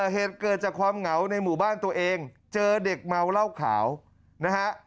เหตุเกิดจากความเหงาในหมู่บ้านตัวเองเจอเด็กเมาเหล้าขาวนะฮะ